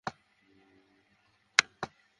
আরে তুমি চুপ করো।